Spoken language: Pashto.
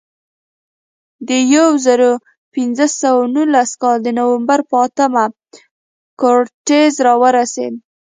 د یو زرو پینځه سوه نولس کال د نومبر په اتمه کورټز راورسېد.